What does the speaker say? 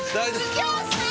右京さーん！